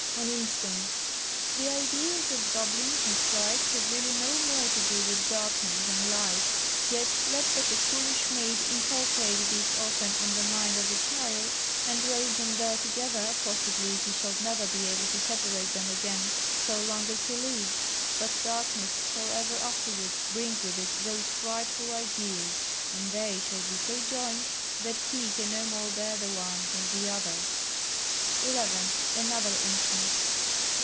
As instance. The ideas of goblins and sprites have really no more to do with darkness than light: yet let but a foolish maid inculcate these often on the mind of a child, and raise them there together, possibly he shall never be able to separate them again so long as he lives, but darkness shall ever afterwards bring with it those frightful ideas, and they shall be so joined, that he can no more bear the one than the other. 11. Another instance.